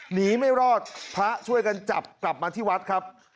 หนีไม่รอดพระช่วยกันจับกลับมาที่วัดครับ